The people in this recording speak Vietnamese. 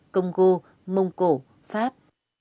congo mông cổ pháp